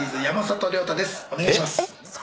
「お願いします」